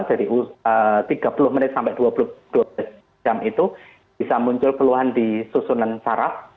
dari tiga puluh menit sampai dua puluh dua jam itu bisa muncul keluhan di susunan sarap